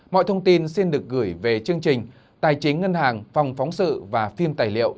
mọi thông tin xin được gửi về chương trình tài chính ngân hàng phòng phóng sự và phim tài liệu